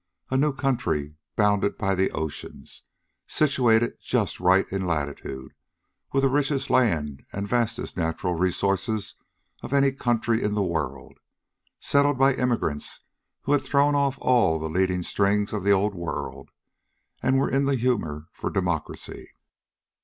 "A new country, bounded by the oceans, situated just right in latitude, with the richest land and vastest natural resources of any country in the world, settled by immigrants who had thrown off all the leading strings of the Old World and were in the humor for democracy.